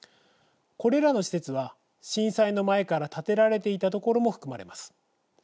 これらの施設は、震災の前から建てられていた所も含まれます。